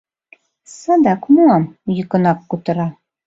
— Садак муам, — йӱкынак кутыра.